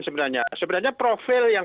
sebenarnya sebenarnya profil yang